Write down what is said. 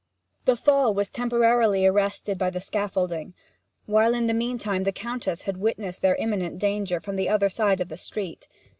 The fall was temporarily arrested by the scaffolding, while in the meantime the Countess had witnessed their imminent danger from the other side of the street.